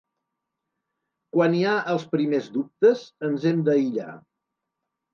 Quan hi ha els primers dubtes, ens hem d’aïllar.